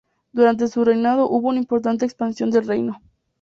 Durante su reinado hubo una importante expansión del reino.